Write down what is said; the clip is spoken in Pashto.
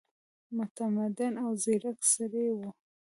متمدن او ځیرک سړی وو.